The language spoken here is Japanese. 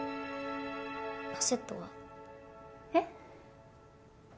カセットは？えっ？